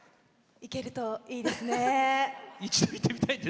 行けるといいですね！